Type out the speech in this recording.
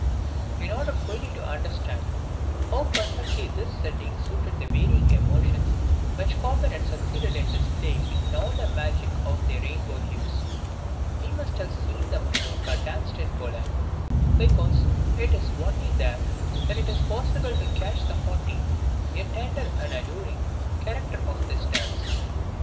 In order fully to understand how perfectly this setting suited the varying emotions which Chopin had succeeded in displaying in all the magic of their rainbow hues, we must have seen the Mazourka danced in Poland, because it is only there that it is possible to catch the haughty, yet tender and alluring, character of this dance.